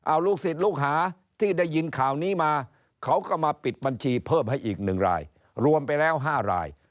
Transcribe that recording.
เอาลูกศิษย์ลูกหาที่ได้ยินข่าวนี้มาเขาก็มาปิดบัญชีเพิ่มให้อีกหนึ่งรายรวมไปแล้ว๕ราย